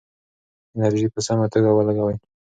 انرژي په سمه توګه ولګوئ.